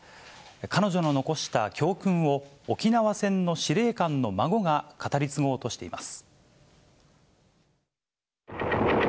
彼女の残した教訓を、沖縄戦の司令官の孫が語り継ごうとしています。